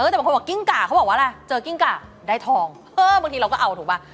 แต่บางคนบอกกิ้งกะเขาบอกว่าอะไรเจอกิ้งกะได้ทองบางทีเราก็เอาถูกป่ะ